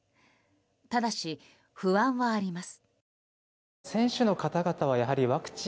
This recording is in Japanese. ただし不安はあります。